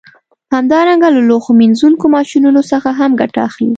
همدارنګه له لوښو مینځونکو ماشینونو څخه هم ګټه اخلي